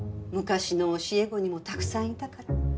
昔の教え子にもたくさんいたから。